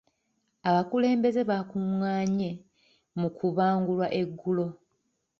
Abakulembeze bakungaanye mu kubangulwa eggulo.